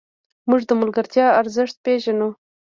موږ د ملګرتیا ارزښت پېژنو.